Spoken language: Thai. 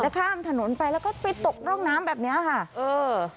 ข้ามถนนไปแล้วก็ไปตกร่องน้ำแบบเนี้ยค่ะเออ